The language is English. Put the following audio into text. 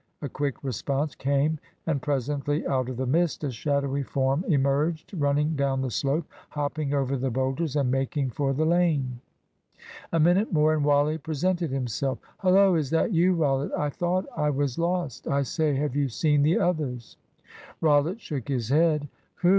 A quick response came, and presently out of the mist a shadowy form emerged running down the slope, hopping over the boulders, and making for the lane. A minute more and Wally presented himself. "Hullo, is that you, Rollitt? I thought I was lost. I say, have you seen the others?" Rollitt shook his head. "Whew!